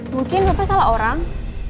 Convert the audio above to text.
mungkin bapak salah orang